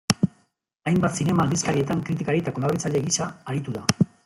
Hainbat zinema aldizkarietan kritikari eta kolaboratzaile gisa aritu da.